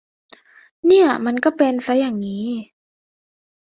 เนี่ย มันก็เป็นซะอย่างนี้